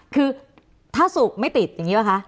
คือถ้าสูบไม่ติดอย่างนี้หรือคะ